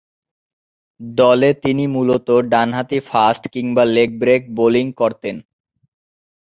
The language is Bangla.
দলে তিনি মূলতঃ ডানহাতি ফাস্ট কিংবা লেগ-ব্রেক বোলিং করতেন।